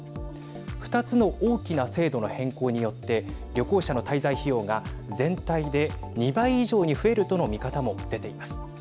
２つの大きな制度の変更によって旅行者の滞在費用が、全体で２倍以上に増えるとの見方も出ています。